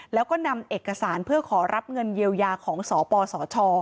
แล้วก็นำเอกสารเพื่อขอรับเงินเยียวยาของสปสช